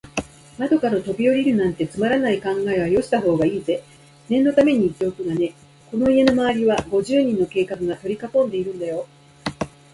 窓からとびおりるなんて、つまらない考えはよしたほうがいいぜ。念のためにいっておくがね、この家のまわりは、五十人の警官がとりかこんでいるんだよ。